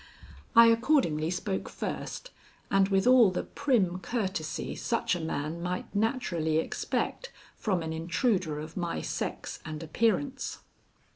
I accordingly spoke first and with all the prim courtesy such a man might naturally expect from an intruder of my sex and appearance.